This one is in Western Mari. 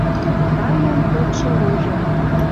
Тарьян кодшы лужы...